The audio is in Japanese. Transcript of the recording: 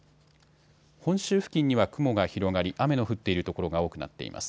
本州付近には雲が広がり雨の降っている所が多くなっています。